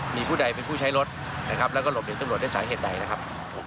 มีผู้ใดเป็นผู้ใช้รถนะครับแล้วก็หลบหนีตำรวจด้วยสาเหตุใดนะครับ